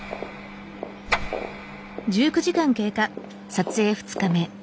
撮影２日目。